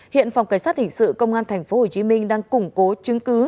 hiện phòng cảnh sát hình sự công an tp hcm đang củng cố chứng cứ